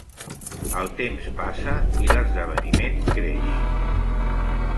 El temps passa i esdeveniment creix.